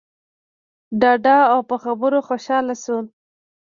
ډاډه او په خبرو خوشحاله شول.